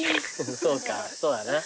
そうかそうだな。